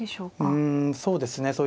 うんそうですね